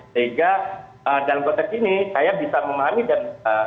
sehingga dalam konteks ini saya bisa memahami dan